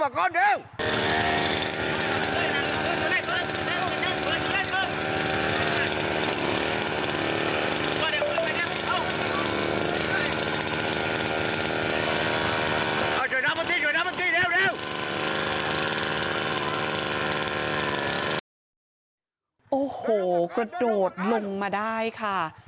พระอาทิตย์พระอาทิตย์พระอาทิตย์เดี๋ยวเร็วโอ้โหกระโดดลงมาได้ค่ะ